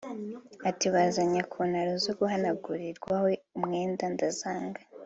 Ati “bazanye kontaro zo guhanagurirwaho umwenda ndazanga